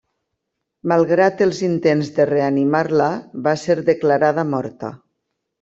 Malgrat els intents de reanimar-la, va ser declarada morta.